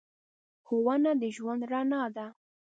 ښوونه د ژوند رڼا ده.